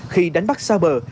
khi đánh bắt xa bờ